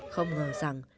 không ngờ rằng